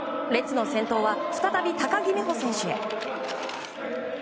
列の先頭は再び高木美帆選手へ。